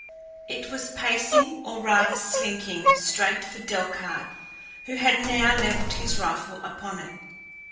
It was pacing, or rather, slinking, straight for Delcarte, who had now leveled his rifle upon it.